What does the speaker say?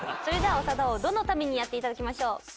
それでは長田王どの民にやっていただきましょう？